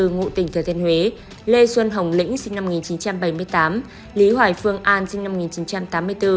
ngụ tỉnh thừa thiên huế lê xuân hồng lĩnh sinh năm một nghìn chín trăm bảy mươi tám lý hoài phương an sinh năm một nghìn chín trăm tám mươi bốn